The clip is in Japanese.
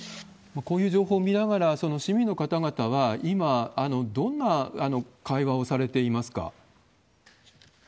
こういう情報を見ながら、市民の方々は今、どんな会話をされていますか？